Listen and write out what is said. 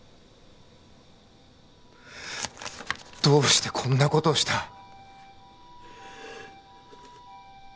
どうしてこんなことをした？